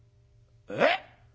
「えっ？